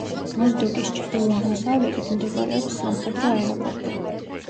მოზდოკის ჩრდილო-აღმოსავლეთით მდებარეობს სამხედრო აეროპორტი.